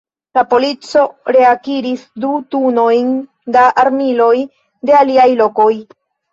La polico reakiris du tunojn da armiloj de iliaj lokoj.